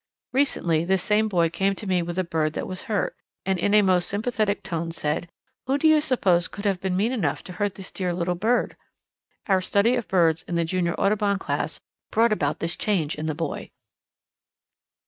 Recently this same boy came to me with a bird that was hurt, and in a most sympathetic tone said: 'Who do you suppose could have been mean enough to hurt this dear little bird?' Our study of birds in the Junior Audubon Class brought about this change in the boy."